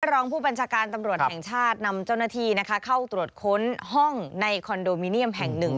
รองผู้บัญชาการตำรวจแห่งชาตินำเจ้าหน้าที่เข้าตรวจค้นห้องในคอนโดมิเนียมแห่งหนึ่ง